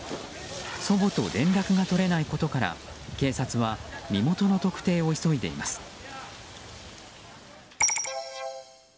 祖母と連絡が取れないことから警察は身元の特定を急いでいます。